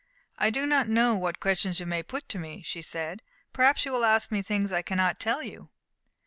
"I do not know what questions you may put to me," she said. "Perhaps you will ask me things I cannot tell you."